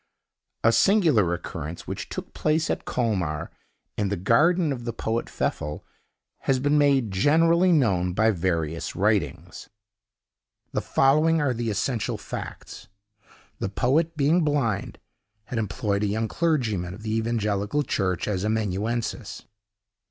A singular occurrence, which took place at Colmar, in the garden of the poet Pfeffel, has been made generally known by various writings. The following are the essential facts. The poet, being blind, had employed a young clergyman, of the evangelical church, as amanuensis.